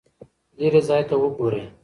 لیرې ځای ته وګورئ.